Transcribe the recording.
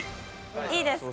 いいですか？